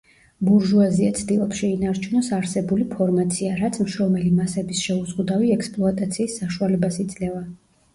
ბურჟუაზია ცდილობს შეინარჩუნოს არსებული ფორმაცია, რაც მშრომელი მასების შეუზღუდავი ექსპლუატაციის საშუალებას იძლევა.